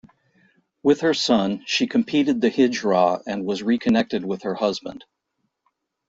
With her son, she competed the hijra and was reconnected with her husband.